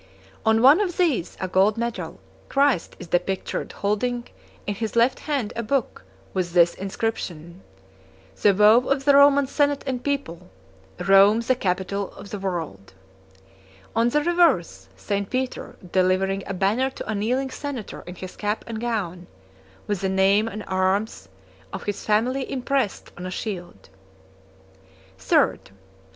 On one of these, a gold medal, Christ is depictured holding in his left hand a book with this inscription: "The vow of the Roman senate and people: Rome the capital of the world;" on the reverse, St. Peter delivering a banner to a kneeling senator in his cap and gown, with the name and arms of his family impressed on a shield. 39 III.